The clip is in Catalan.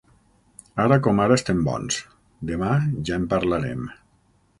Ara com ara estem bons; demà ja en parlarem.